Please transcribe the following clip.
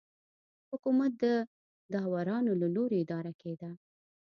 حکومت د داورانو له لوري اداره کېده.